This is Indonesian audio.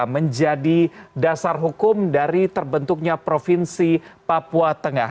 menjadi dasar hukum dari terbentuknya provinsi papua tengah